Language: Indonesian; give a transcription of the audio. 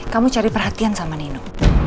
kamu cari perhatian sama nino